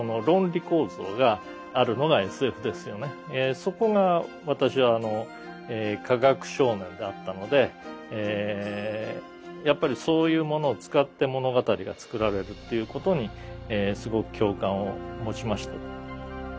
そこが私は科学少年だったのでやっぱりそういうものを使って物語が作られるっていうことにすごく共感を持ちました。